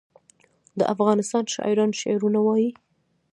د افغانستان شاعران شعرونه وايي